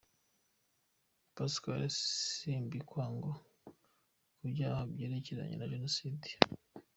Pascal Simbikangwa ku byaha byerekeranye na Jenoside.